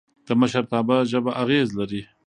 د مشرتابه ژبه اغېز لري